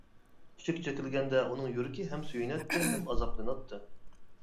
ئىشىك چېكىلگەندە ئۇنىڭ يۈرىكى ھەم سۆيۈنەتتى ھەم ئازابلىناتتى.